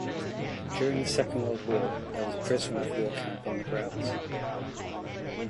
During the Second World War there was a prisoner-of-war camp in the grounds.